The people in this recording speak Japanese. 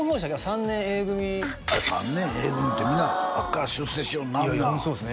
「３年Ａ組」あれ「３年Ａ組」ってみんなあっこから出世しよるなみんなホントそうですね